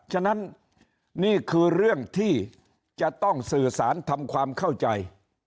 ฉะนั้นนี่คือเรื่องที่จะต้องสื่อสารทำความเข้าใจ